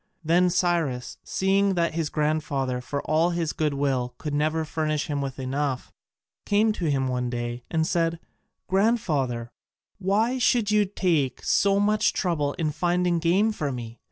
Then Cyrus, seeing that his grandfather for all his goodwill could never furnish him with enough, came to him one day and said, "Grandfather, why should you take so much trouble in finding game for me?